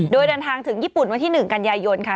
โดยเดินทางถึงญี่ปุ่นวันที่๑กันยายนค่ะ